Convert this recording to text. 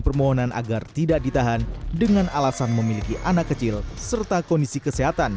permohonan agar tidak ditahan dengan alasan memiliki anak kecil serta kondisi kesehatan